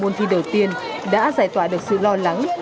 môn thi đầu tiên đã giải tỏa được sự lo lắng